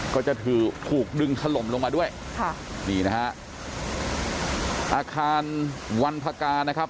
ก็จะถือถูกดึงถล่มลงมาด้วยค่ะนี่นะฮะอาคารวันพกานะครับ